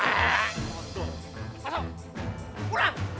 eh gak mau pulang juga